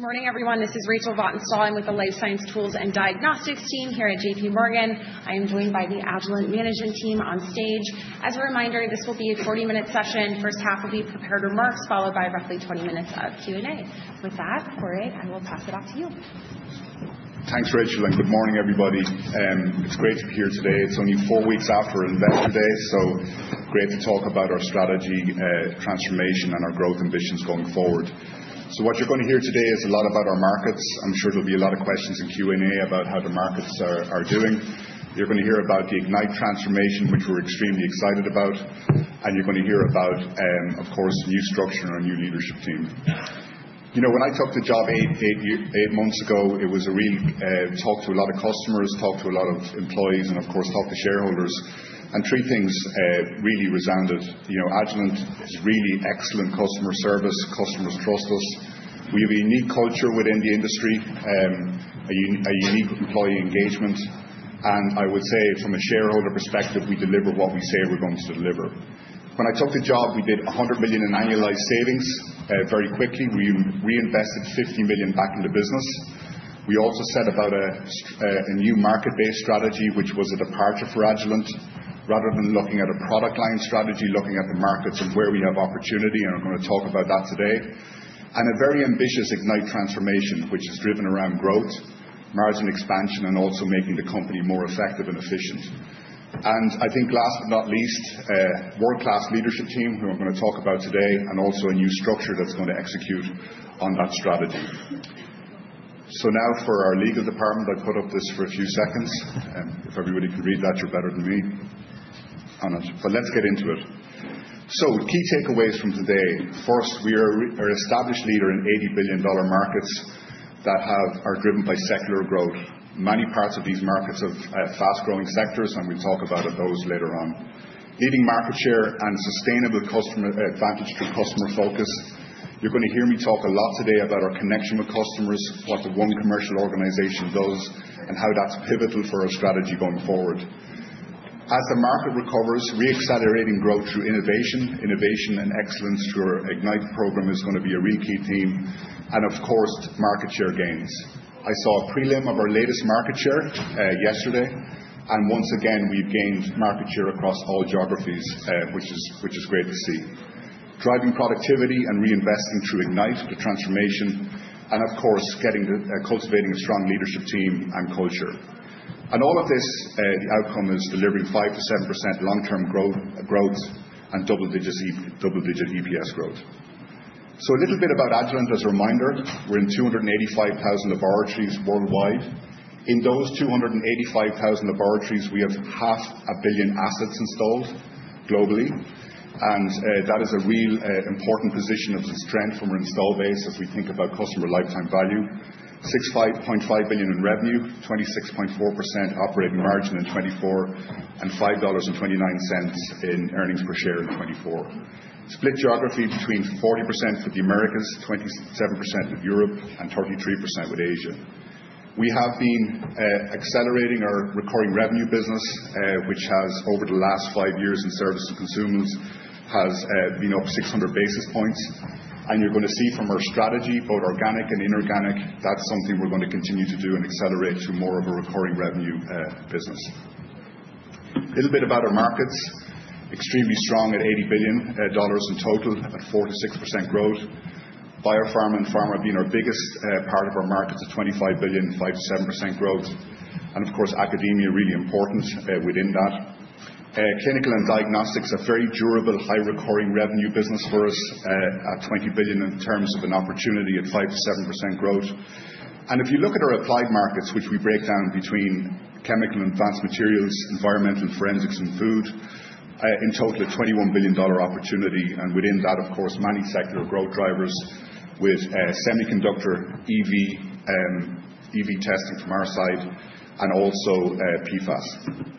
Good morning, everyone. This is Rachel Vatnsdal with the Life Science Tools and Diagnostics team here at JPMorgan. I am joined by the Agilent management team on stage. As a reminder, this will be a 40-minute session. The first half will be prepared remarks, followed by roughly 20 minutes of Q&A. With that, Padraig, I will pass it off to you. Thanks, Rachel, and good morning, everybody. It's great to be here today. It's only four weeks after Investor Day, so great to talk about our strategy, transformation, and our growth ambitions going forward. What you're going to hear today is a lot about our markets. I'm sure there'll be a lot of questions in Q&A about how the markets are doing. You're going to hear about the Ignite transformation, which we're extremely excited about. You're going to hear about, of course, the new structure and our new leadership team. When I took the job eight months ago, I really talked to a lot of customers, talked to a lot of employees, and, of course, talked to shareholders. Three things really resounded. Agilent is really excellent customer service. Customers trust us. We have a unique culture within the industry, a unique employee engagement. I would say, from a shareholder perspective, we deliver what we say we're going to deliver. When I talked to Bob, we did $100 million in annualized savings very quickly. We reinvested $50 million back into business. We also set about a new market-based strategy, which was a departure for Agilent. Rather than looking at a product line strategy, looking at the markets and where we have opportunity, and we're going to talk about that today. A very ambitious Ignite transformation, which is driven around growth, margin expansion, and also making the company more effective and efficient. I think, last but not least, a world-class leadership team who I'm going to talk about today, and also a new structure that's going to execute on that strategy. So now, for our legal department, I put up this for a few seconds. If everybody can read that, you're better than me. But let's get into it. So key takeaways from today. First, we are an established leader in $80 billion markets that are driven by secular growth. Many parts of these markets are fast-growing sectors, and we'll talk about those later on. Leading market share and sustainable customer advantage through customer focus. You're going to hear me talk a lot today about our connection with customers, what the one commercial organization does, and how that's pivotal for our strategy going forward. As the market recovers, re-accelerating growth through innovation, innovation and excellence through our Ignite program is going to be a really key theme. And, of course, market share gains. I saw a prelim of our latest market share yesterday. And once again, we've gained market share across all geographies, which is great to see. Driving productivity and reinvesting through Ignite transformation. Of course, cultivating a strong leadership team and culture. All of this, the outcome is delivering 5%-7% long-term growth and double-digit EPS growth. A little bit about Agilent as a reminder. We're in 285,000 laboratories worldwide. In those 285,000 laboratories, we have 500 million assets installed globally. That is a real important position of strength from our install base as we think about customer lifetime value. $6.5 billion in revenue, 26.4% operating margin in 2024, and $5.29 in earnings per share in 2024. Split geography between 40% with the Americas, 27% with Europe, and 33% with Asia. We have been accelerating our recurring revenue business, which has, over the last five years in services to customers, been up 600 basis points. You're going to see from our strategy, both organic and inorganic, that's something we're going to continue to do and accelerate to more of a recurring revenue business. A little bit about our markets. Extremely strong at $80 billion in total and 4%-6% growth. Biopharma and pharma have been our biggest part of our markets, at $25 billion, 5%-7% growth. And, of course, academia, really important within that. Clinical and diagnostics are a very durable, high-recurring revenue business for us at $20 billion in terms of an opportunity at 5%-7% growth. And if you look at our applied markets, which we break down between chemical and advanced materials, environmental forensics, and food, in total a $21 billion opportunity. And within that, of course, many sector growth drivers with semiconductor EV testing from our side and also PFAS.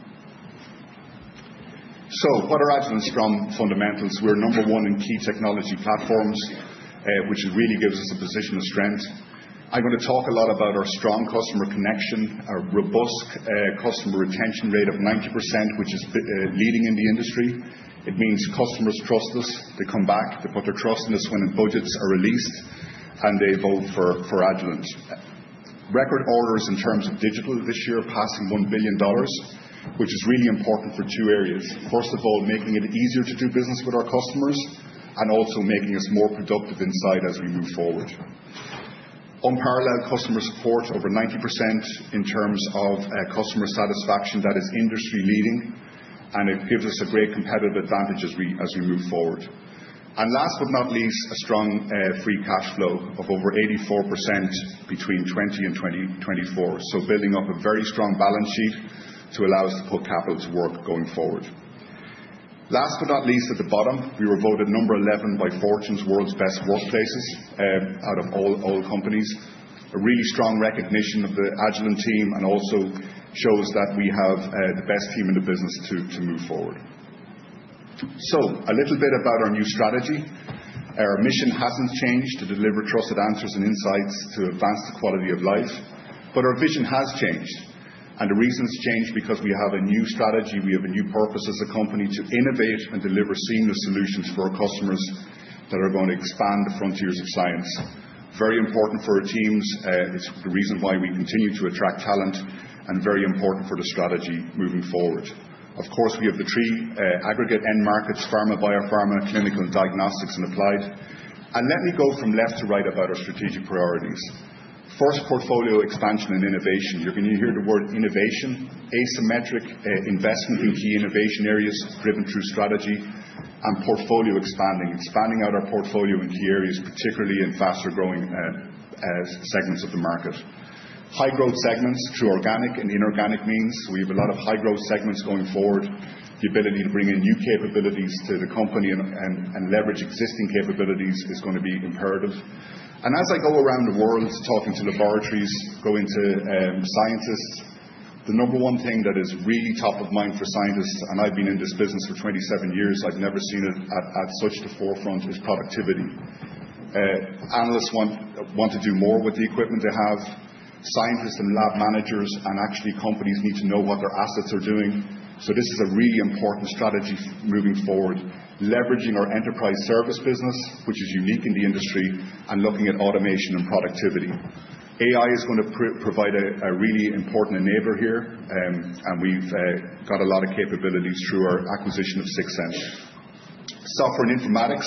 So what are Agilent's strong fundamentals? We're number one in key technology platforms, which really gives us a position of strength. I'm going to talk a lot about our strong customer connection, our robust customer retention rate of 90%, which is leading in the industry. It means customers trust us. They come back. They put their trust in us when budgets are released. And they vote for Agilent. Record orders in terms of digital this year passing $1 billion, which is really important for two areas. First of all, making it easier to do business with our customers and also making us more productive inside as we move forward. Unparalleled customer support, over 90% in terms of customer satisfaction. That is industry-leading. And it gives us a great competitive advantage as we move forward. And last but not least, a strong free cash flow of over 84% between 2020 and 2024. So building up a very strong balance sheet to allow us to put capital to work going forward. Last but not least, at the bottom, we were voted number 11 by Fortune's World's Best Workplaces out of all companies. A really strong recognition of the Agilent team and also shows that we have the best team in the business to move forward. So a little bit about our new strategy. Our mission hasn't changed to deliver trusted answers and insights to advance the quality of life. But our vision has changed. And the reason it's changed is because we have a new strategy. We have a new purpose as a company to innovate and deliver seamless solutions for our customers that are going to expand the frontiers of science. Very important for our teams. It's the reason why we continue to attract talent and very important for the strategy moving forward. Of course, we have the three aggregate end markets: pharma, biopharma, clinical, and diagnostics and applied, and let me go from left to right about our strategic priorities. First, portfolio expansion and innovation. You're going to hear the word innovation. Asymmetric investment in key innovation areas driven through strategy and portfolio expanding. Expanding out our portfolio in key areas, particularly in faster-growing segments of the market. High-growth segments through organic and inorganic means. We have a lot of high-growth segments going forward. The ability to bring in new capabilities to the company and leverage existing capabilities is going to be imperative. And as I go around the world talking to laboratories, going to scientists, the number one thing that is really top of mind for scientists, and I've been in this business for 27 years, I've never seen it at such the forefront, is productivity. Analysts want to do more with the equipment they have. Scientists and lab managers and actually companies need to know what their assets are doing. So this is a really important strategy moving forward. Leveraging our enterprise service business, which is unique in the industry, and looking at automation and productivity. AI is going to provide a really important enabler here. And we've got a lot of capabilities through our acquisition of Sigsense. Software and informatics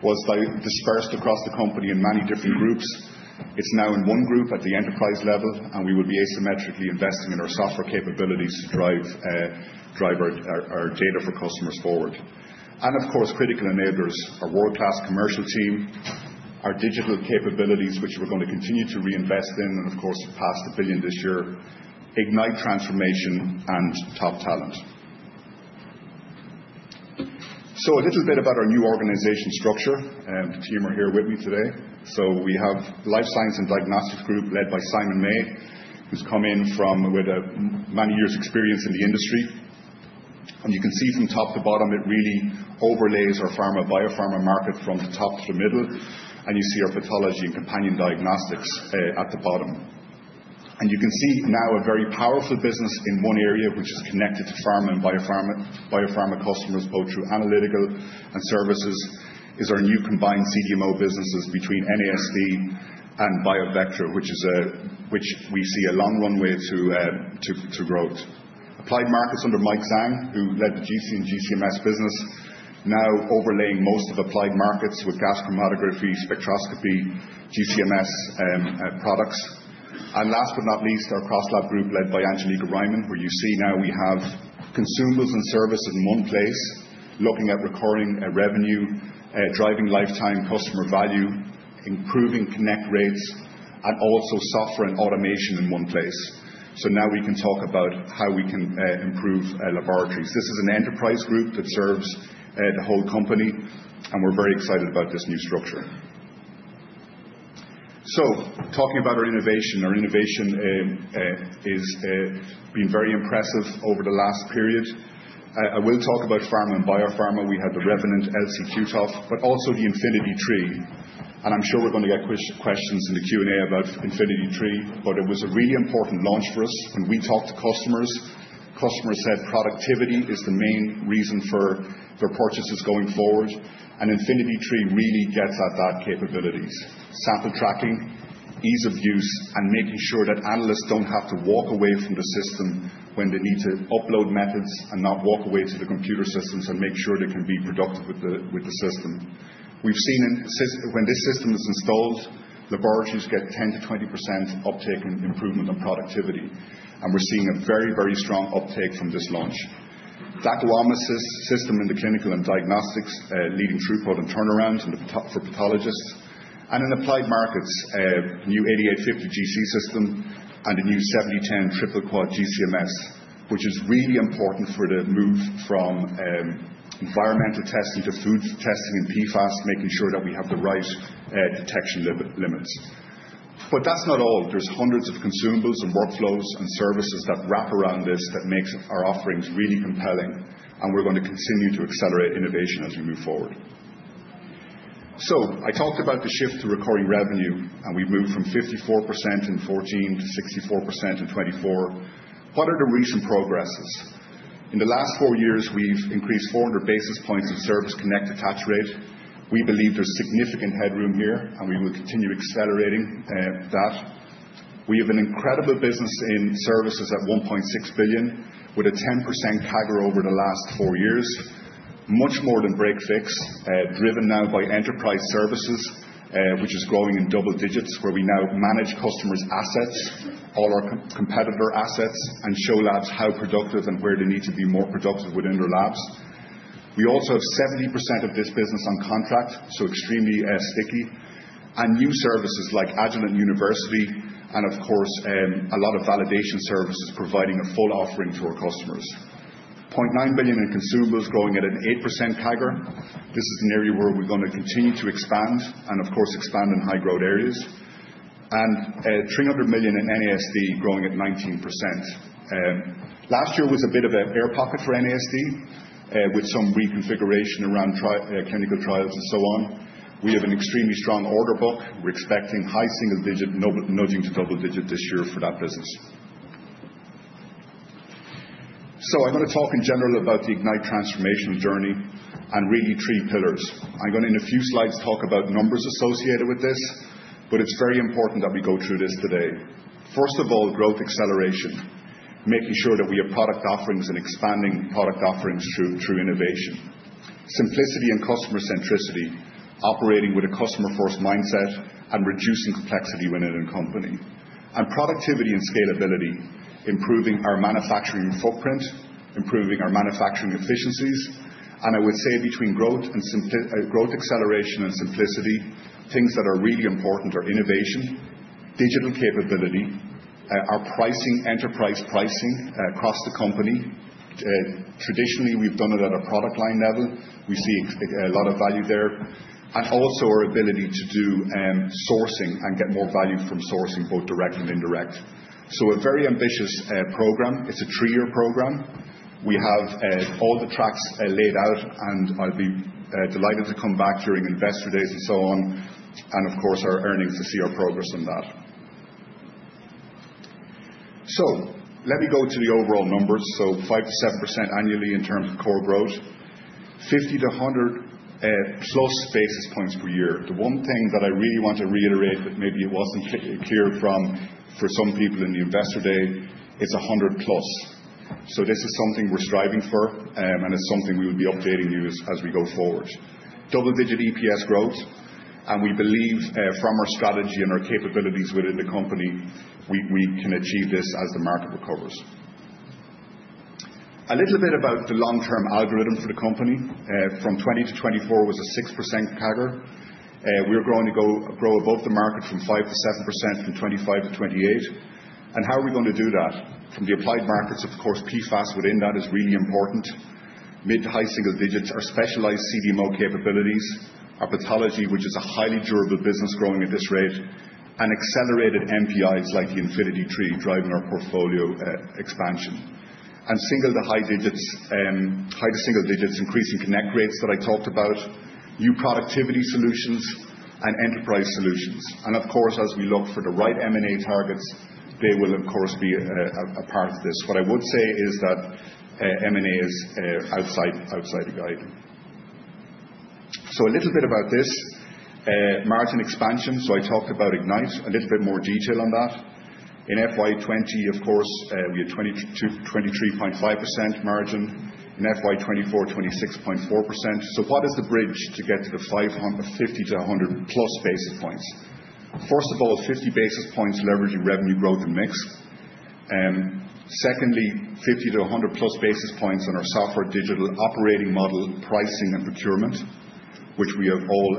was dispersed across the company in many different groups. It's now in one group at the enterprise level. We will be asymmetrically investing in our software capabilities to drive our data for customers forward. And, of course, critical enablers. Our world-class commercial team, our digital capabilities, which we're going to continue to reinvest in, and, of course, have passed $1 billion this year, Ignite transformation and top talent. So a little bit about our new organizational structure. The team are here with me today. So we have Life Sciences and Diagnostics Group led by Simon May, who's come in with many years' experience in the industry. And you can see from top to bottom, it really overlays our pharma/biopharma market from the top to the middle. And you see our pathology and companion diagnostics at the bottom. You can see now a very powerful business in one area, which is connected to pharma and biopharma customers, both through analytical and services, is our new combined CDMO businesses between NASD and BioVectra, which we see a long runway to growth. Applied Markets under Mike Tang, who led the GC and GC/MS business, now overlaying most of Applied Markets with gas chromatography, spectroscopy, GC/MS products. Last but not least, our CrossLab Group led by Angelica Riemann, where you see now we have consumables and services in one place, looking at recurring revenue, driving lifetime customer value, improving connect rates, and also software and automation in one place. Now we can talk about how we can improve laboratories. This is an enterprise group that serves the whole company. We're very excited about this new structure. Talking about our innovation, our innovation has been very impressive over the last period. I will talk about pharma and biopharma. We had the Revident LC/Q-TOF, but also the Infinity III LC Series. And I'm sure we're going to get questions in the Q&A about Infinity III LC Series. But it was a really important launch for us. When we talked to customers, customers said productivity is the main reason for their purchases going forward. And Infinity III LC Series really gets at that capabilities: sample tracking, ease of use, and making sure that analysts don't have to walk away from the system when they need to upload methods and not walk away to the computer systems and make sure they can be productive with the system. We've seen when this system is installed, laboratories get 10%-20% uptake and improvement on productivity. We're seeing a very, very strong uptake from this launch. That will harness this system in the clinical and diagnostics, leading throughput and turnaround for pathologists. In applied markets, a new 8850 GC system and a new 7010 triple quad GC/MS, which is really important for the move from environmental testing to food testing and PFAS, making sure that we have the right detection limits. That's not all. There's hundreds of consumables and workflows and services that wrap around this that make our offerings really compelling. We're going to continue to accelerate innovation as we move forward. I talked about the shift to recurring revenue. We've moved from 54% in 2014 to 64% in 2024. What are the recent progresses? In the last four years, we've increased 400 basis points in service connect attach rate. We believe there's significant headroom here. And we will continue accelerating that. We have an incredible business in services at $1.6 billion, with a 10% CAGR over the last four years, much more than break/fix, driven now by enterprise services, which is growing in double digits, where we now manage customers' assets, all our competitor assets, and show labs how productive and where they need to be more productive within their labs. We also have 70% of this business on contract, so extremely sticky. And new services like Agilent University and, of course, a lot of validation services providing a full offering to our customers. $0.9 billion in consumables growing at an 8% CAGR. This is an area where we're going to continue to expand and, of course, expand in high-growth areas. And $300 million in NASD growing at 19%. Last year was a bit of an air pocket for NASD with some reconfiguration around clinical trials and so on. We have an extremely strong order book. We're expecting high single-digit, nudging to double-digit this year for that business. So I'm going to talk in general about the Ignite transformation journey and really three pillars. I'm going to, in a few slides, talk about numbers associated with this. But it's very important that we go through this today. First of all, growth acceleration, making sure that we have product offerings and expanding product offerings through innovation. Simplicity and customer centricity, operating with a customer-first mindset and reducing complexity within a company. And productivity and scalability, improving our manufacturing footprint, improving our manufacturing efficiencies. And I would say between growth and growth acceleration and simplicity, things that are really important are innovation, digital capability, our enterprise pricing across the company. Traditionally, we've done it at a product line level. We see a lot of value there, and also our ability to do sourcing and get more value from sourcing, both direct and indirect, so a very ambitious program. It's a three-year program. We have all the tracks laid out, and I'll be delighted to come back during investor days and so on, and, of course, our earnings to see our progress on that. Let me go to the overall numbers, so 5%-7% annually in terms of core growth, 50%-100% plus basis points per year. The one thing that I really want to reiterate that maybe it wasn't clear for some people in the investor day, it's 100% plus. This is something we're striving for, and it's something we will be updating you as we go forward. Double-digit EPS growth. And we believe from our strategy and our capabilities within the company, we can achieve this as the market recovers. A little bit about the long-term algorithm for the company. From 2020 to 2024, it was a 6% CAGR. We are going to grow above the market from 5% to 7% from 2025 to 2028. And how are we going to do that? From the applied markets, of course, PFAS within that is really important. Mid- to high-single digits, our specialized CDMO capabilities, our pathology, which is a highly durable business growing at this rate, and accelerated NPIs like the Infinity III driving our portfolio expansion. And single- to high-digits, high- to single-digits, increasing connect rates that I talked about, new productivity solutions, and enterprise solutions. And, of course, as we look for the right M&A targets, they will, of course, be a part of this. What I would say is that M&A is outside the guide. So a little bit about this, margin expansion. So I talked about Ignite, a little bit more detail on that. In FY20, of course, we had 23.5% margin. In FY24, 26.4%. So what is the bridge to get to the 50% to 100% plus basis points? First of all, 50 basis points leveraging revenue growth and mix. Secondly, 50% to 100% plus basis points on our software digital operating model, pricing, and procurement, which we have all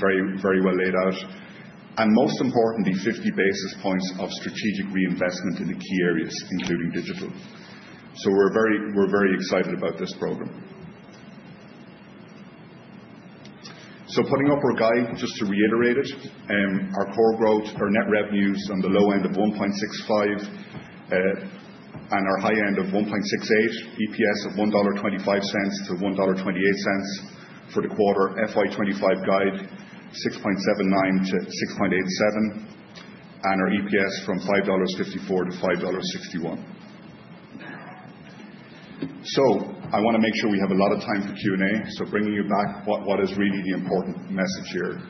very well laid out. And most importantly, 50 basis points of strategic reinvestment in the key areas, including digital. So we're very excited about this program. So putting up our guide just to reiterate it, our core growth, our net revenues on the low end of 1.65% and our high end of 1.68%, EPS of $1.25-$1.28 for the quarter, FY25 guide $6.79-$6.87, and our EPS from $5.54-$5.61. So I want to make sure we have a lot of time for Q&A. So bringing you back, what is really the important message here?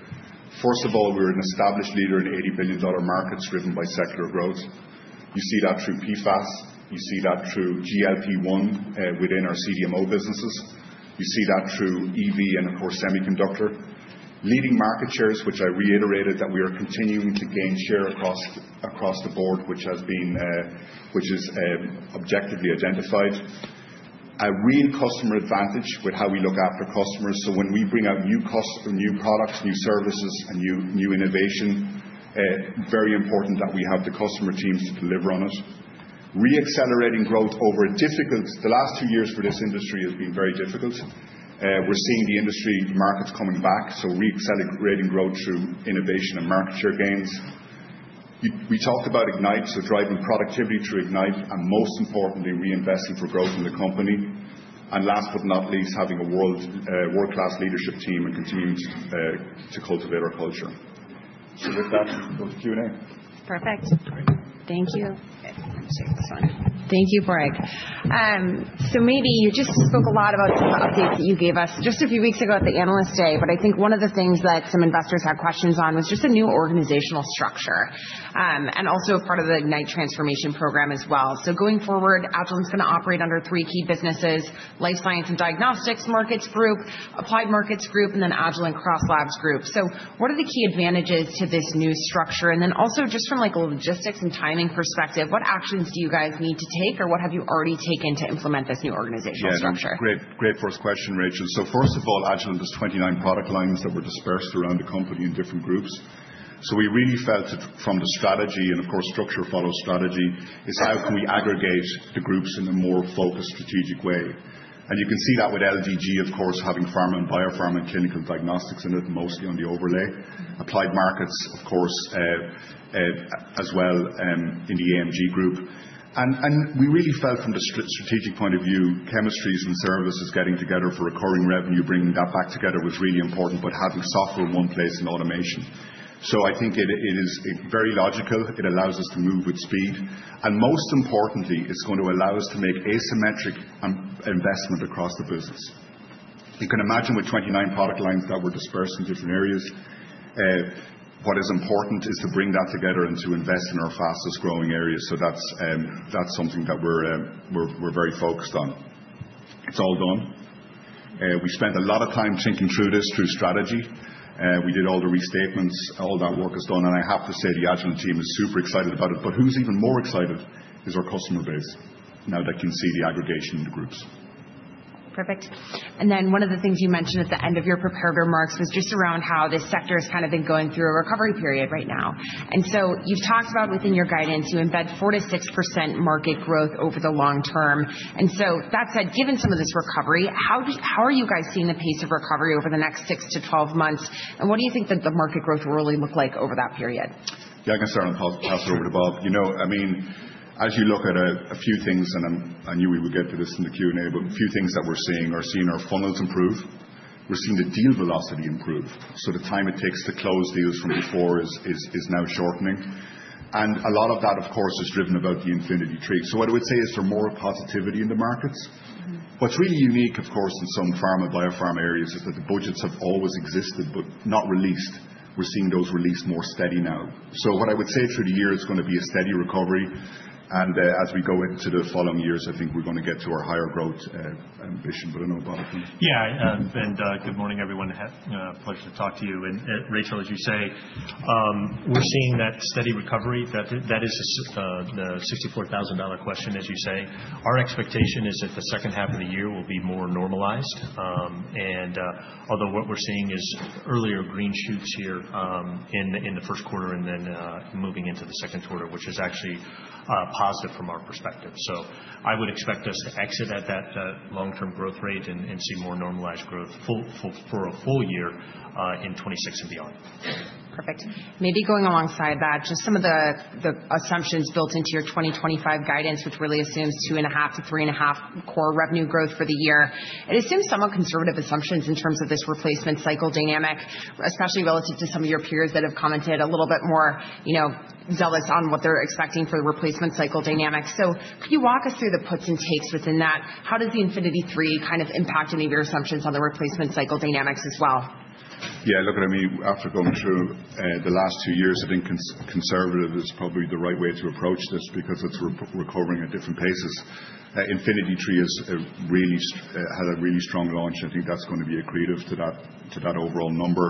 First of all, we're an established leader in $80 billion markets driven by secular growth. You see that through PFAS. You see that through GLP-1 within our CDMO businesses. You see that through EV and, of course, semiconductor. Leading market shares, which I reiterated that we are continuing to gain share across the board, which is objectively identified. A real customer advantage with how we look after customers. So when we bring out new products, new services, and new innovation, very important that we have the customer teams to deliver on it. Re-accelerating growth. The last two years for this industry has been very difficult. We're seeing the industry markets coming back, so re-accelerating growth through innovation and market share gains. We talked about Ignite, so driving productivity through Ignite and, most importantly, reinvesting for growth in the company, and last but not least, having a world-class leadership team and continuing to cultivate our culture, so with that, go to Q&A. Perfect. Thank you. Let me take this one. Thank you, Padraig. So maybe you just spoke a lot about some of the updates that you gave us just a few weeks ago at the Analyst Day, but I think one of the things that some investors had questions on was just a new organizational structure and also part of the Ignite transformation program as well. So going forward, Agilent's going to operate under three key businesses: Life Sciences and Diagnostics Markets Group, Applied Markets Group, and then Agilent CrossLab Group. So what are the key advantages to this new structure? And then also just from a logistics and timing perspective, what actions do you guys need to take or what have you already taken to implement this new organizational structure? Yeah. Great first question, Rachel. So first of all, Agilent has 29 product lines that were dispersed around the company in different groups. So we really felt from the strategy and, of course, structure follows strategy, is how can we aggregate the groups in a more focused strategic way? And you can see that with LSDG, of course, having pharma and biopharma and clinical diagnostics in it, mostly on the overlay. Applied Markets, of course, as well in the AMG group. And we really felt from the strategic point of view, chemistries and services getting together for recurring revenue, bringing that back together was really important, but having software in one place and automation. So I think it is very logical. It allows us to move with speed. And most importantly, it's going to allow us to make asymmetric investment across the business. You can imagine with 29 product lines that were dispersed in different areas, what is important is to bring that together and to invest in our fastest growing areas. So that's something that we're very focused on. It's all done. We spent a lot of time thinking through this through strategy. We did all the restatements. All that work is done. And I have to say the Agilent team is super excited about it. But who's even more excited is our customer base now that can see the aggregation in the groups. Perfect. And then one of the things you mentioned at the end of your preparatory remarks was just around how this sector has kind of been going through a recovery period right now. And so you've talked about within your guidance, you embed 4%-6% market growth over the long term. And so that said, given some of this recovery, how are you guys seeing the pace of recovery over the next 6-12 months? And what do you think that the market growth will really look like over that period? Yeah, I can start and pass it over to Bob. I mean, as you look at a few things, and I knew we would get to this in the Q&A, but a few things that we're seeing are seeing our funnels improve. We're seeing the deal velocity improve. So the time it takes to close deals from before is now shortening. And a lot of that, of course, is driven about the Infinity III. So what I would say is for more positivity in the markets. What's really unique, of course, in some pharma and biopharma areas is that the budgets have always existed but not released. We're seeing those released more steady now. So what I would say through the year is going to be a steady recovery. And as we go into the following years, I think we're going to get to our higher growth ambition. But I know about it. Yeah. And good morning, everyone. Pleasure to talk to you. And Rachel, as you say, we're seeing that steady recovery. That is the $64,000 question, as you say. Our expectation is that the second half of the year will be more normalized. And although what we're seeing is earlier green shoots here in the first quarter and then moving into the second quarter, which is actually positive from our perspective. So I would expect us to exit at that long-term growth rate and see more normalized growth for a full year in 2026 and beyond. Perfect. Maybe going alongside that, just some of the assumptions built into your 2025 guidance, which really assumes 2.5%-3.5% core revenue growth for the year. It assumes somewhat conservative assumptions in terms of this replacement cycle dynamic, especially relative to some of your peers that have commented a little bit more zealous on what they're expecting for the replacement cycle dynamic. So could you walk us through the puts and takes within that? How does the Infinity III kind of impact any of your assumptions on the replacement cycle dynamics as well? Yeah. Look, I mean, after going through the last two years, I think conservative is probably the right way to approach this because it's recovering at different paces. Infinity III has a really strong launch. I think that's going to be a creative to that overall number.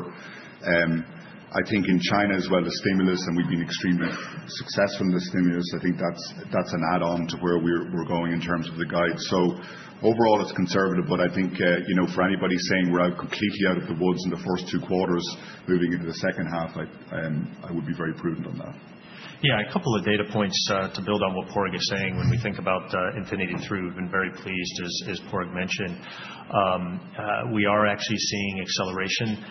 I think in China as well, the stimulus, and we've been extremely successful in the stimulus. I think that's an add-on to where we're going in terms of the guide. So overall, it's conservative. But I think for anybody saying we're completely out of the woods in the first two quarters, moving into the second half, I would be very prudent on that. Yeah. A couple of data points to build on what Padraig is saying. When we think about Infinity III, we've been very pleased, as Padraig mentioned. We are actually seeing acceleration,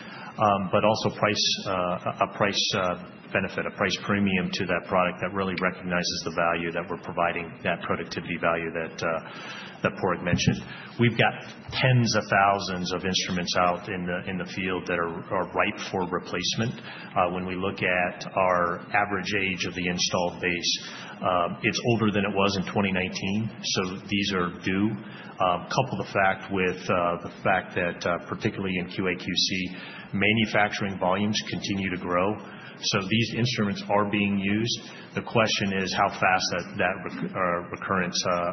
but also a price benefit, a price premium to that product that really recognizes the value that we're providing, that productivity value that Padraig mentioned. We've got tens of thousands of instruments out in the field that are ripe for replacement. When we look at our average age of the installed base, it's older than it was in 2019. So these are due. Couple the fact with the fact that, particularly in QA/QC, manufacturing volumes continue to grow. So these instruments are being used. The question is how fast that recurring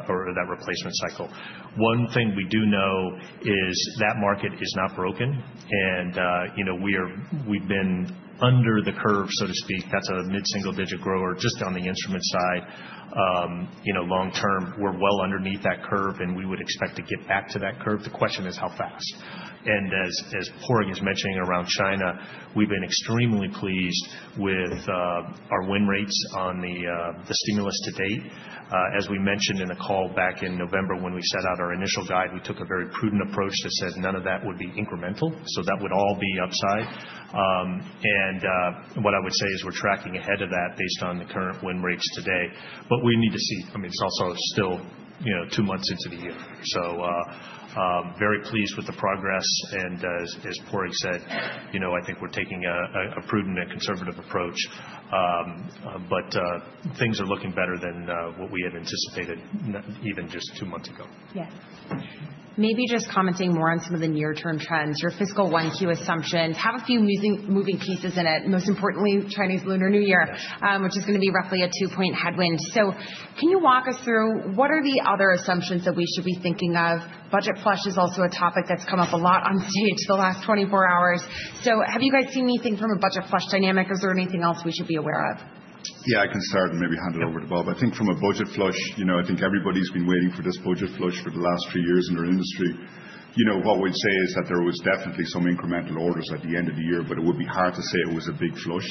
or that replacement cycle. One thing we do know is that the market is not broken, and we've been under the curve, so to speak. That's a mid-single digit grower just on the instrument side. Long term, we're well underneath that curve, and we would expect to get back to that curve. The question is how fast. And as Padraig is mentioning around China, we've been extremely pleased with our win rates on the stimulus to date. As we mentioned in the call back in November when we set out our initial guide, we took a very prudent approach that said none of that would be incremental. So that would all be upside. And what I would say is we're tracking ahead of that based on the current win rates today. But we need to see. I mean, it's also still two months into the year. So very pleased with the progress. And as Padraig said, I think we're taking a prudent and conservative approach. But things are looking better than what we had anticipated even just two months ago. Yeah. Maybe just commenting more on some of the near-term trends, your fiscal 1Q assumptions have a few moving pieces in it. Most importantly, Chinese Lunar New Year, which is going to be roughly a 2-point headwind. So can you walk us through what are the other assumptions that we should be thinking of? Budget flush is also a topic that's come up a lot on stage the last 24 hours. So have you guys seen anything from a budget flush dynamic? Is there anything else we should be aware of? Yeah, I can start and maybe hand it over to Bob. I think from a budget flush, I think everybody's been waiting for this budget flush for the last three years in our industry. What we'd say is that there was definitely some incremental orders at the end of the year, but it would be hard to say it was a big flush.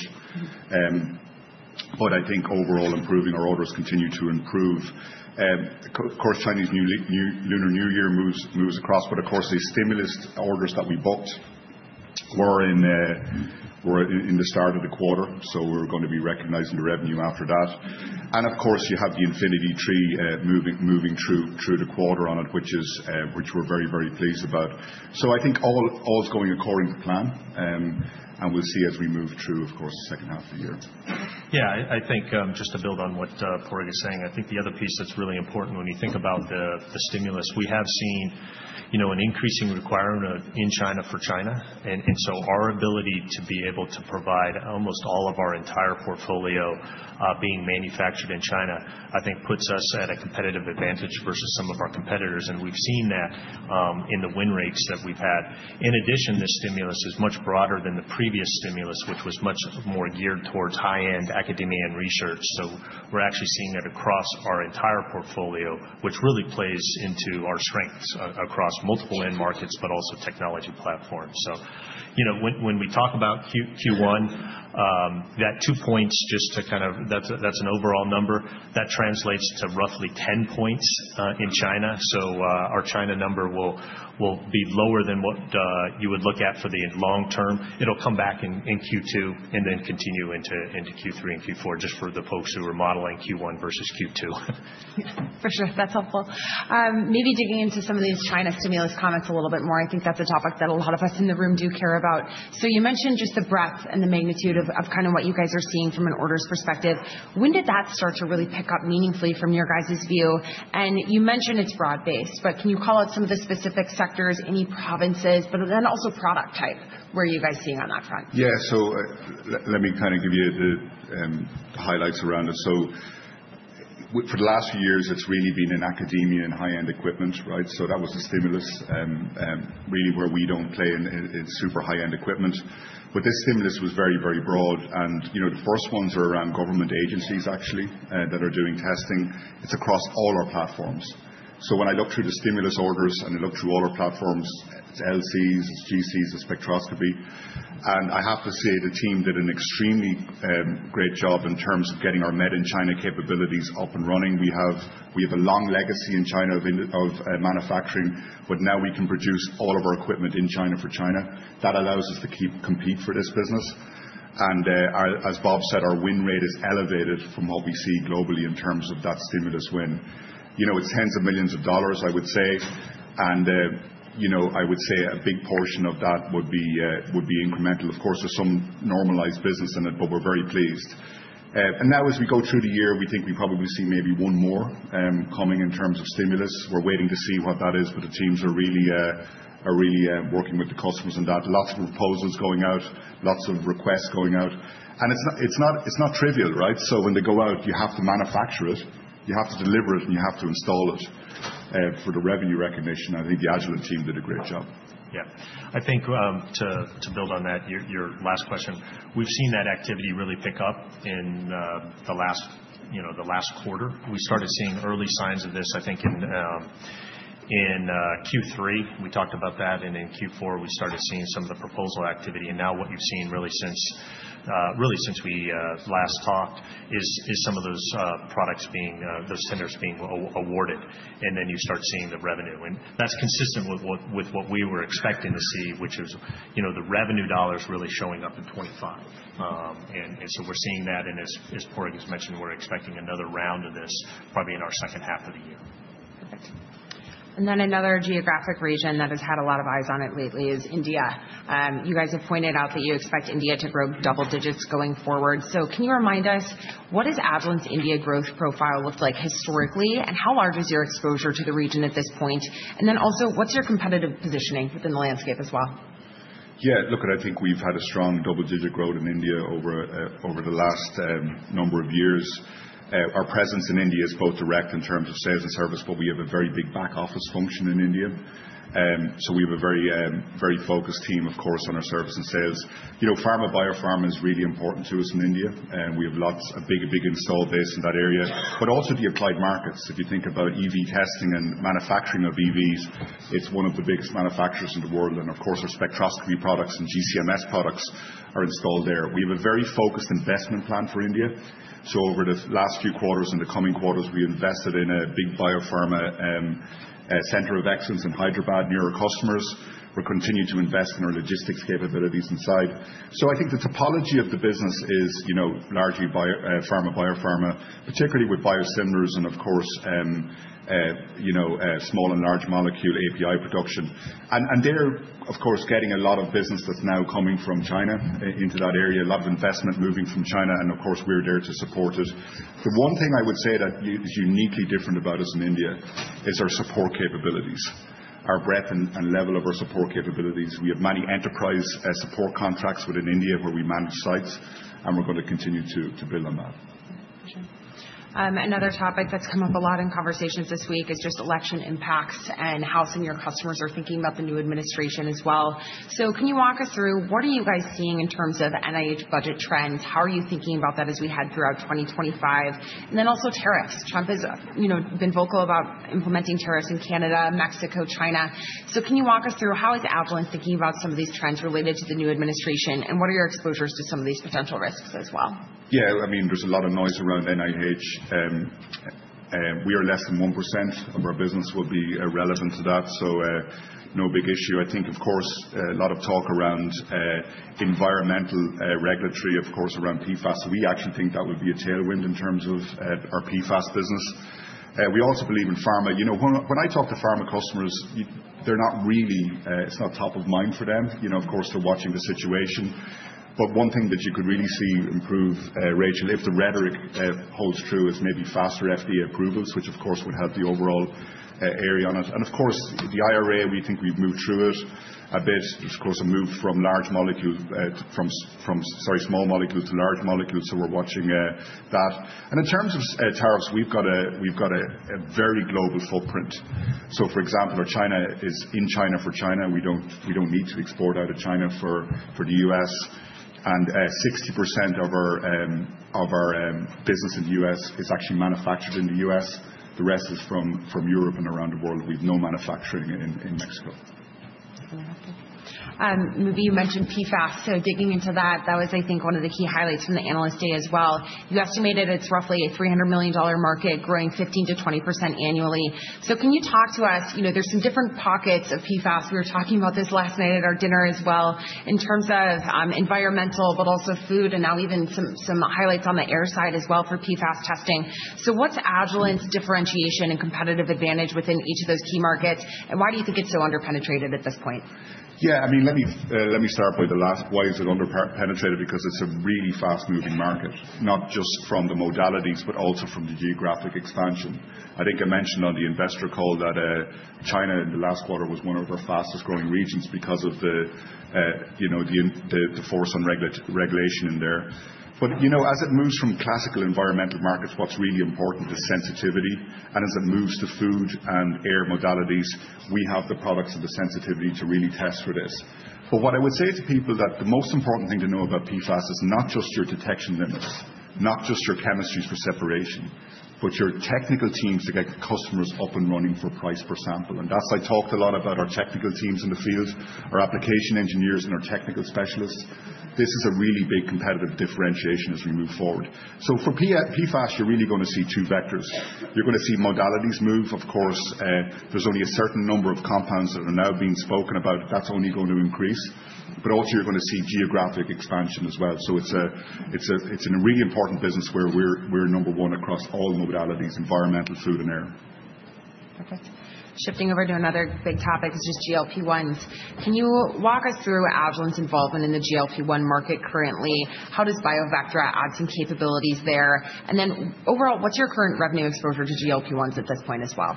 But I think overall, improving our orders continue to improve. Of course, Chinese Lunar New Year moves across, but of course, the stimulus orders that we booked were in the start of the quarter. So we're going to be recognizing the revenue after that. And of course, you have the Infinity III moving through the quarter on it, which we're very, very pleased about. So I think all is going according to plan. We'll see as we move through, of course, the second half of the year. Yeah. I think just to build on what Padraig is saying, I think the other piece that's really important when you think about the stimulus, we have seen an increasing requirement in China for China. And so our ability to be able to provide almost all of our entire portfolio being manufactured in China, I think puts us at a competitive advantage versus some of our competitors. And we've seen that in the win rates that we've had. In addition, this stimulus is much broader than the previous stimulus, which was much more geared towards high-end academia and research. So we're actually seeing that across our entire portfolio, which really plays into our strengths across multiple end markets, but also technology platforms. So when we talk about Q1, that two points just to kind of, that's an overall number. That translates to roughly 10 points in China. So our China number will be lower than what you would look at for the long term. It'll come back in Q2 and then continue into Q3 and Q4 just for the folks who are modeling Q1 versus Q2. For sure. That's helpful. Maybe digging into some of these China stimulus comments a little bit more. I think that's a topic that a lot of us in the room do care about. So you mentioned just the breadth and the magnitude of kind of what you guys are seeing from an orders perspective. When did that start to really pick up meaningfully from your guys' view? And you mentioned it's broad-based, but can you call out some of the specific sectors, any provinces, but then also product type? Where are you guys seeing on that front? Yeah. So let me kind of give you the highlights around it. So for the last few years, it's really been in academia and high-end equipment, right? So that was a stimulus really where we don't play in super high-end equipment. But this stimulus was very, very broad. And the first ones are around government agencies actually that are doing testing. It's across all our platforms. So when I look through the stimulus orders and I look through all our platforms, it's LCs, it's GCs, it's spectroscopy. And I have to say the team did an extremely great job in terms of getting our made in China capabilities up and running. We have a long legacy in China of manufacturing, but now we can produce all of our equipment in China for China. That allows us to compete for this business. As Bob said, our win rate is elevated from what we see globally in terms of that stimulus win. It's tens of millions of dollars, I would say. I would say a big portion of that would be incremental. Of course, there's some normalized business in it, but we're very pleased. Now as we go through the year, we think we probably see maybe one more coming in terms of stimulus. We're waiting to see what that is. The teams are really working with the customers on that. Lots of proposals going out, lots of requests going out. It's not trivial, right? When they go out, you have to manufacture it, you have to deliver it, and you have to install it for the revenue recognition. I think the Agilent team did a great job. Yeah. I think to build on that, your last question, we've seen that activity really pick up in the last quarter. We started seeing early signs of this, I think, in Q3. We talked about that. And in Q4, we started seeing some of the proposal activity. And now what you've seen really since we last talked is some of those products being, those centers being awarded. And then you start seeing the revenue. And that's consistent with what we were expecting to see, which is the revenue dollars really showing up in 2025. And so we're seeing that. And as Padraig has mentioned, we're expecting another round of this probably in our second half of the year. Perfect. And then another geographic region that has had a lot of eyes on it lately is India. You guys have pointed out that you expect India to grow double digits going forward. So can you remind us, what does Agilent's India growth profile look like historically? And how large is your exposure to the region at this point? And then also, what's your competitive positioning within the landscape as well? Yeah. Look, I think we've had a strong double-digit growth in India over the last number of years. Our presence in India is both direct in terms of sales and service, but we have a very big back office function in India. So we have a very focused team, of course, on our service and sales. Pharma and biopharma is really important to us in India. We have lots of big, big installed base in that area. But also the applied markets. If you think about EV testing and manufacturing of EVs, it's one of the biggest manufacturers in the world. And of course, our spectroscopy products and GC/MS products are installed there. We have a very focused investment plan for India. So over the last few quarters and the coming quarters, we invested in a big biopharma center of excellence in Hyderabad near our customers. We're continuing to invest in our logistics capabilities inside. So I think the topology of the business is largely pharma and biopharma, particularly with biosimilars and, of course, small and large molecule API production. And they're, of course, getting a lot of business that's now coming from China into that area, a lot of investment moving from China. And of course, we're there to support it. The one thing I would say that is uniquely different about us in India is our support capabilities, our breadth and level of our support capabilities. We have many enterprise support contracts within India where we manage sites, and we're going to continue to build on that. Another topic that's come up a lot in conversations this week is just election impacts and how some of your customers are thinking about the new administration as well. So can you walk us through what are you guys seeing in terms of NIH budget trends? How are you thinking about that as we head throughout 2025? And then also tariffs. Trump has been vocal about implementing tariffs in Canada, Mexico, China. So can you walk us through how is Agilent thinking about some of these trends related to the new administration? And what are your exposures to some of these potential risks as well? Yeah. I mean, there's a lot of noise around NIH. We are less than 1% of our business will be relevant to that. So no big issue. I think, of course, a lot of talk around environmental regulatory, of course, around PFAS. We actually think that would be a tailwind in terms of our PFAS business. We also believe in pharma. When I talk to pharma customers, they're not really. It's not top of mind for them. Of course, they're watching the situation. But one thing that you could really see improve, Rachel, if the rhetoric holds true, is maybe faster FDA approvals, which of course would help the overall area on it. And of course, the IRA. We think we've moved through it a bit. There's, of course, a move from large molecule, from, sorry, small molecule to large molecule. So we're watching that. And in terms of tariffs, we've got a very global footprint. So for example, our China is in China for China. We don't need to export out of China for the US. And 60% of our business in the US is actually manufactured in the US. The rest is from Europe and around the world. We have no manufacturing in Mexico. Maybe, you mentioned PFAS. So digging into that, that was, I think, one of the key highlights from the analyst day as well. You estimated it's roughly a $300 million market, growing 15%-20% annually. So can you talk to us? There's some different pockets of PFAS. We were talking about this last night at our dinner as well in terms of environmental, but also food, and now even some highlights on the air side as well for PFAS testing. So what's Agilent's differentiation and competitive advantage within each of those key markets? And why do you think it's so underpenetrated at this point? Yeah. I mean, let me start by the last. Why is it underpenetrated? Because it's a really fast-moving market, not just from the modalities, but also from the geographic expansion. I think I mentioned on the investor call that China in the last quarter was one of our fastest growing regions because of the focus on regulation in there. But as it moves from classical environmental markets, what's really important is sensitivity. And as it moves to food and air modalities, we have the products and the sensitivity to really test for this. But what I would say to people that the most important thing to know about PFAS is not just your detection limits, not just your chemistries for separation, but your technical teams to get customers up and running for price per sample. And that's. I talked a lot about our technical teams in the field, our application engineers, and our technical specialists. This is a really big competitive differentiation as we move forward. So for PFAS, you're really going to see two vectors. You're going to see modalities move. Of course, there's only a certain number of compounds that are now being spoken about. That's only going to increase. But also you're going to see geographic expansion as well. So it's a really important business where we're number one across all modalities, environmental, food, and air. Perfect. Shifting over to another big topic is just GLP-1s. Can you walk us through Agilent's involvement in the GLP-1 market currently? How does BioVectra add some capabilities there? And then overall, what's your current revenue exposure to GLP-1s at this point as well?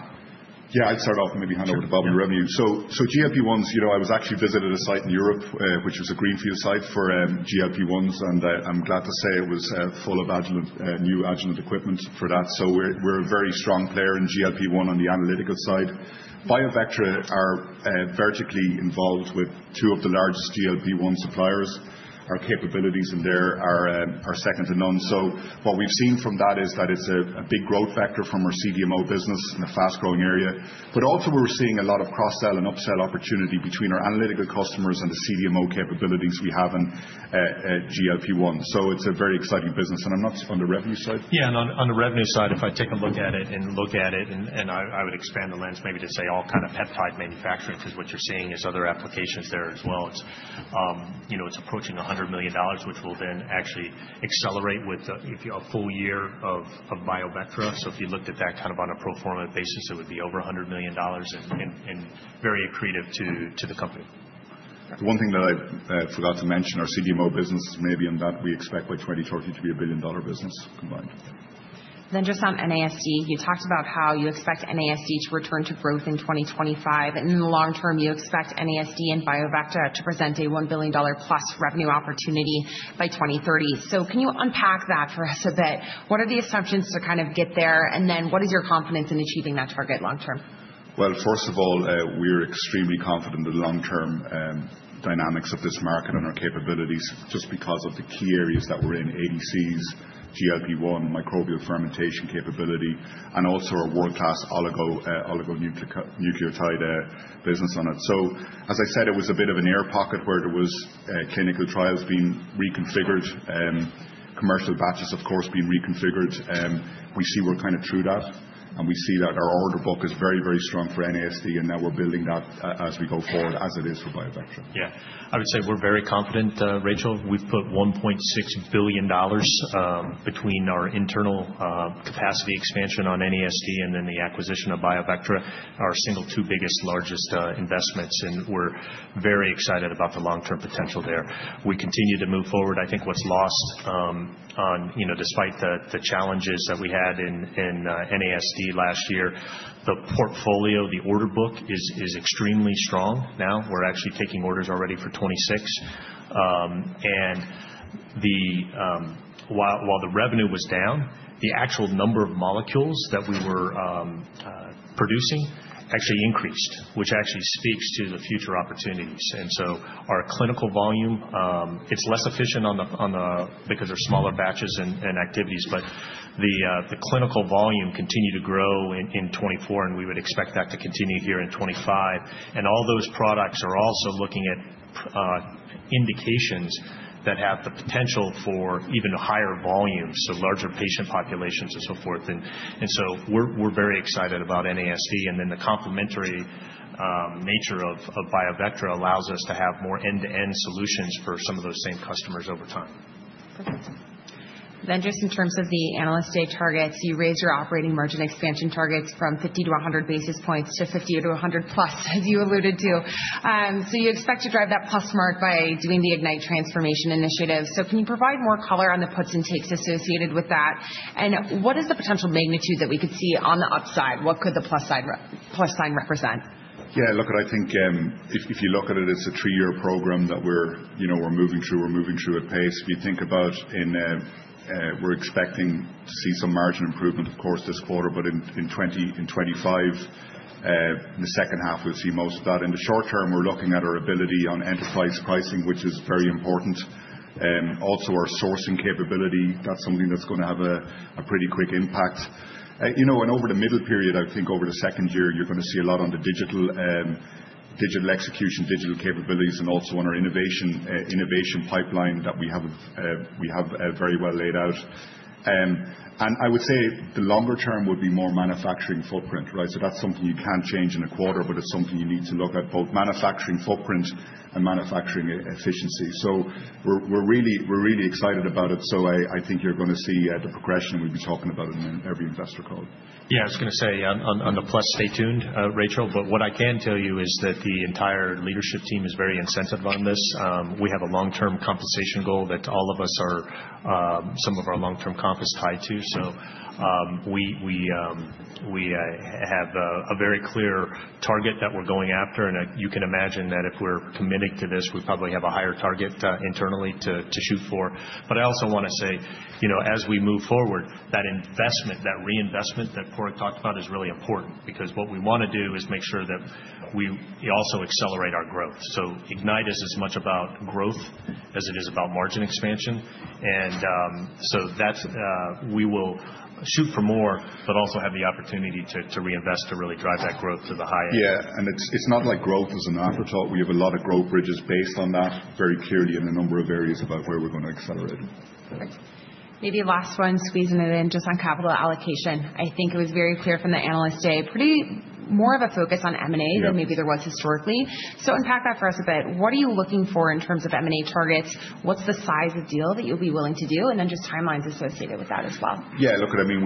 Yeah, I'd start off and maybe hand over to Bob in revenue. So GLP-1s, I was actually visiting a site in Europe, which was a greenfield site for GLP-1s. And I'm glad to say it was full of new Agilent equipment for that. So we're a very strong player in GLP-1 on the analytical side. BioVectra are vertically involved with two of the largest GLP-1 suppliers. Our capabilities in there are second to none. So what we've seen from that is that it's a big growth vector from our CDMO business in a fast-growing area. But also we're seeing a lot of cross-sell and up-sell opportunity between our analytical customers and the CDMO capabilities we have in GLP-1. So it's a very exciting business. And I'm not on the revenue side. Yeah. On the revenue side, if I take a look at it, and I would expand the lens maybe to say all kind of peptide manufacturing is what you're seeing as other applications there as well. It's approaching $100 million, which will then actually accelerate with a full year of BioVectra. So if you looked at that kind of on a pro forma basis, it would be over $100 million and very accretive to the company. One thing that I forgot to mention, our CDMO business is maybe in that we expect by 2020 to be a billion-dollar business combined. Then just on NASD, you talked about how you expect NASD to return to growth in 2025. And in the long term, you expect NASD and BioVectra to present a $1 billion-plus revenue opportunity by 2030. So can you unpack that for us a bit? What are the assumptions to kind of get there? And then what is your confidence in achieving that target long term? First of all, we're extremely confident in the long-term dynamics of this market and our capabilities just because of the key areas that we're in: ADCs, GLP-1, microbial fermentation capability, and also our world-class oligonucleotide business on it. As I said, it was a bit of an air pocket where there were clinical trials being reconfigured, commercial batches, of course, being reconfigured. We see we're kind of through that. We see that our order book is very, very strong for NASD. Now we're building that as we go forward as it is for BioVectra. Yeah. I would say we're very confident, Rachel. We've put $1.6 billion between our internal capacity expansion on NASD and then the acquisition of BioVectra, our single two biggest largest investments. And we're very excited about the long-term potential there. We continue to move forward. I think what's lost despite the challenges that we had in NASD last year, the portfolio, the order book is extremely strong now. We're actually taking orders already for 2026. And while the revenue was down, the actual number of molecules that we were producing actually increased, which actually speaks to the future opportunities. And so our clinical volume, it's less efficient because there are smaller batches and activities, but the clinical volume continued to grow in 2024. And we would expect that to continue here in 2025. All those products are also looking at indications that have the potential for even higher volumes, so larger patient populations and so forth. So we're very excited about NASD. Then the complementary nature of BioVectra allows us to have more end-to-end solutions for some of those same customers over time. Perfect. Then just in terms of the analyst day targets, you raised your operating margin expansion targets from 50-100 basis points to 50-100 plus, as you alluded to. So you expect to drive that plus mark by doing the Ignite transformation initiative. So can you provide more color on the puts and takes associated with that? And what is the potential magnitude that we could see on the upside? What could the plus sign represent? Yeah. Look, I think if you look at it, it's a three-year program that we're moving through. We're moving through at pace. If you think about in we're expecting to see some margin improvement, of course, this quarter, but in 2025, the second half, we'll see most of that. In the short term, we're looking at our ability on enterprise pricing, which is very important. Also, our sourcing capability, that's something that's going to have a pretty quick impact. And over the middle period, I think over the second year, you're going to see a lot on the digital execution, digital capabilities, and also on our innovation pipeline that we have very well laid out. And I would say the longer term would be more manufacturing footprint, right? So that's something you can't change in a quarter, but it's something you need to look at, both manufacturing footprint and manufacturing efficiency. So we're really excited about it. So I think you're going to see the progression, and we'll be talking about it in every investor call. Yeah. I was going to say on the plus, stay tuned, Rachel. But what I can tell you is that the entire leadership team is very incentivized on this. We have a long-term compensation goal that all of us are some of our long-term comp is tied to. So we have a very clear target that we're going after. And you can imagine that if we're committed to this, we probably have a higher target internally to shoot for. But I also want to say, as we move forward, that investment, that reinvestment that Padraig talked about is really important because what we want to do is make sure that we also accelerate our growth. So Ignite is as much about growth as it is about margin expansion. And so we will shoot for more, but also have the opportunity to reinvest to really drive that growth to the highest. Yeah. And it's not like growth is an afterthought. We have a lot of growth bridges based on that very clearly in a number of areas about where we're going to accelerate. Perfect. Maybe last one, squeezing it in just on capital allocation. I think it was very clear from the analyst day, pretty more of a focus on M&A than maybe there was historically. So unpack that for us a bit. What are you looking for in terms of M&A targets? What's the size of deal that you'll be willing to do? And then just timelines associated with that as well. Yeah. Look, I mean,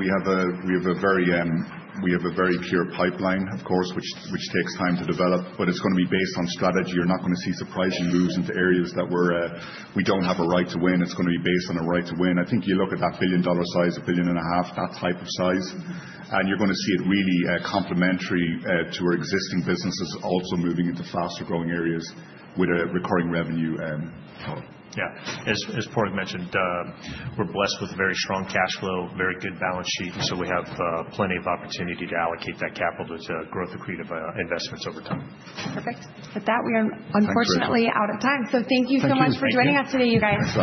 we have a very pure pipeline, of course, which takes time to develop, but it's going to be based on strategy. You're not going to see surprising moves into areas that we don't have a right to win. It's going to be based on a right to win. I think you look at that $1 billion size, $1.5 billion, that type of size, and you're going to see it really complementary to our existing businesses also moving into faster-growing areas with a recurring revenue model. Yeah. As Padraig mentioned, we're blessed with a very strong cash flow, very good balance sheet, and so we have plenty of opportunity to allocate that capital to growth-accretive investments over time. Perfect. With that, we are unfortunately out of time. So thank you so much for joining us today, you guys.